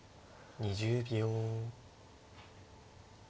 ２０秒。